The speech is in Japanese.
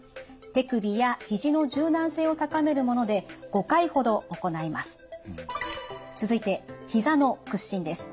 手首やひじの柔軟性を高めるもので５回ほど行います。